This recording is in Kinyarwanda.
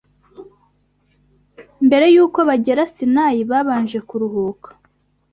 mbere y’uko bagera Sinayi babanje kuruhuka